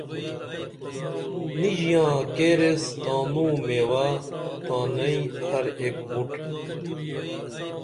نی ژیاں کیر ایس تانوں میوہ تانئیں ہر ایک مُٹ